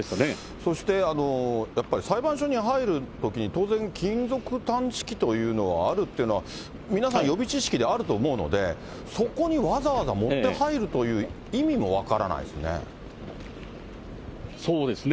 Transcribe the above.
そしてやっぱり裁判所に入るときに当然、金属探知機というのはあるっていうのは、皆さん、予備知識であると思うので、そこにわざわざ持って入るという意味も分からないですね。